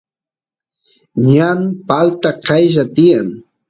ñan palta qaylla tiyan